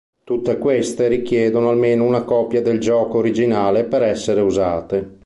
Tutte queste richiedono almeno una copia del gioco originale per essere usate.